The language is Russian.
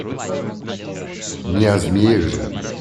Не о змеях же?